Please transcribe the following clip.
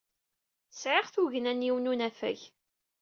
Sɛiɣ tugna n yiwen n unafag.